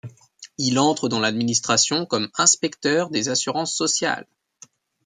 Il entre dans l'administration comme inspecteur des assurances sociales.